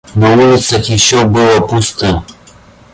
На улицах еще было пусто.